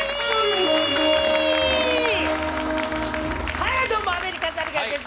はいどうもアメリカザリガニです。